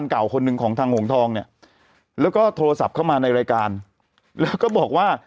เก่าคนหนึ่งของทางหงทองเนี่ยแล้วก็โทรศัพท์เข้ามาในรายการแล้วก็บอกว่า